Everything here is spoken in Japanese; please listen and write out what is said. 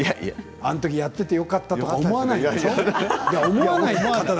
あのときやっててよかったとか思わない方だと思う。